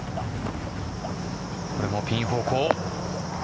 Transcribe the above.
これもピン方向。